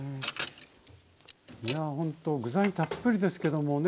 ほんと具材たっぷりですけどもね